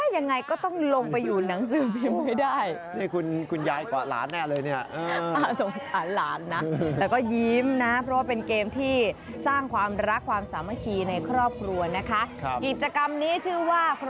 หนูจะอยู่ตรงไหนแม่